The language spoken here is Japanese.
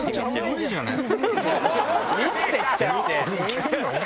無理じゃない？